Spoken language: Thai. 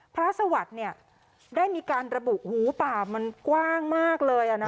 สวัสดิ์ได้มีการระบุหูป่ามันกว้างมากเลย